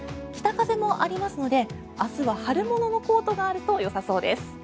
北風もありますので明日は春物のコートがあるとよさそうです。